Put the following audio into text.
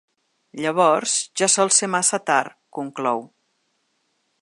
Llavors ja sol ser massa tard, conclou.